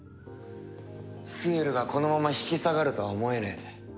スエルがこのまま引き下がるとは思えねえ。